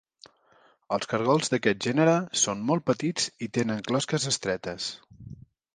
Els cargols d'aquest gènere són molt petits i tenen closques estretes.